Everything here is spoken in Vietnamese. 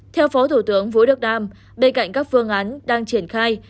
theo phó thủ tướng vũ đức đam bên cạnh các phương án đang triển khai